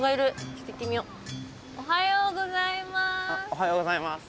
おはようございます！